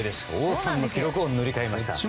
王さんの記録を塗り替えました。